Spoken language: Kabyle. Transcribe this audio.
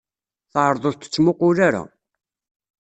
Teɛreḍ ur t-tettmuqqul ara.